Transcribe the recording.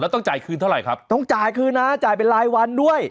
ต้องจ่ายคืนเท่าไหร่ครับต้องจ่ายคืนนะจ่ายเป็นรายวันด้วย